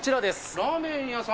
ラーメン屋さん？